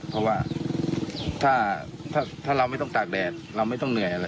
เพราะว่าถ้าเราไม่ต้องตากแดดเราไม่ต้องเหนื่อยอะไร